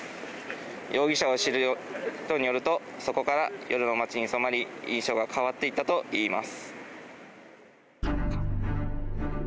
容疑者を知る人によるとそこから夜の街に染まり印象が変わっていったといいます。